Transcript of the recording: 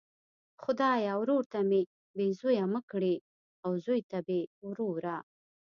خدایه ورور ته مي بې زویه مه کړې او زوی ته بې وروره!